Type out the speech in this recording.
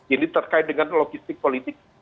ini terkait dengan logistik politik